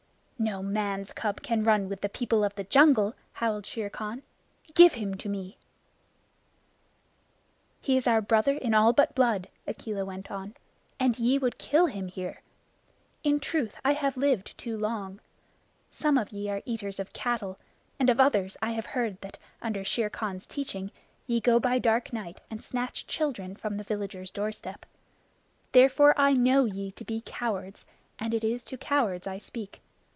"No man's cub can run with the people of the jungle," howled Shere Khan. "Give him to me!" "He is our brother in all but blood," Akela went on, "and ye would kill him here! In truth, I have lived too long. Some of ye are eaters of cattle, and of others I have heard that, under Shere Khan's teaching, ye go by dark night and snatch children from the villager's doorstep. Therefore I know ye to be cowards, and it is to cowards I speak.